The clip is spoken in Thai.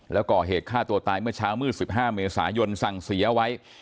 แล้วก่อเหตุฆ่าตัวตายเมื่อเช้ามืด๑๕เมษายนสั่งเสียเอาไว้